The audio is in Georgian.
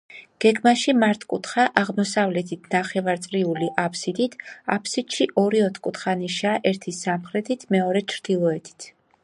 გეგმაში მართკუთხა, აღმოსავლეთით ნახევარწრიული აბსიდით, აბსიდში ორი ოთკუთხა ნიშია ერთი სამხრეთით, მეორე ჩრდილოეთით.